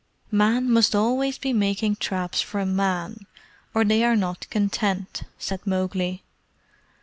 "Men must always be making traps for men, or they are not content," said Mowgli.